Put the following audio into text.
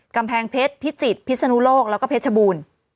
กำแพงเพชรพิจิตรพิศนุโลกแล้วก็เพชรบูรณ์